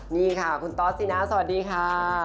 นี่ค่ะคุณตอสสินะสวัสดีค่ะ